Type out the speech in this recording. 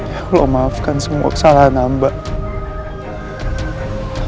ya allah maafkan semua kesalahan nambah